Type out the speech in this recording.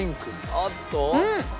あっと？